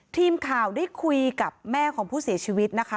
ทีมข่าวได้คุยกับแม่ของผู้เสียชีวิตนะคะ